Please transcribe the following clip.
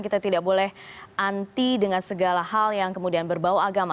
kita tidak boleh anti dengan segala hal yang kemudian berbau agama